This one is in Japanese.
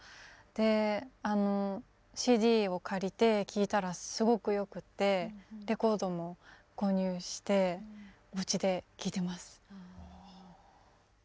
であのＣＤを借りて聴いたらすごくよくってレコードも購入してうちで聴いてます。